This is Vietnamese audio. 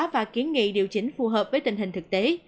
và kiến nghị điều chỉnh phù hợp với tình hình thực tế